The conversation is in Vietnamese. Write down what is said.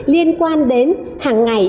liên quan đến hàng ngày